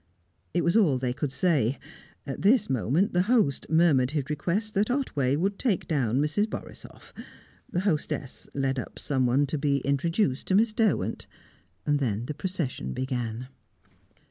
It was all they could say. At this moment, the host murmured his request that Otway would take down Mrs. Borisoff; the hostess led up someone to be introduced to Miss Derwent. Then the procession began.